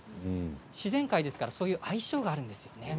自然界ですからそういう相性があるんですよね。